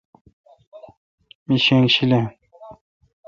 می شینگ شیلین۔